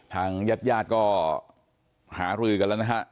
ทางญาติญาติก็หารือกันแล้วนะฮะ